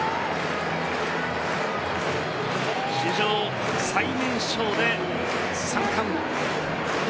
史上最年少で三冠王。